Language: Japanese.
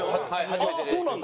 ああそうなんだ？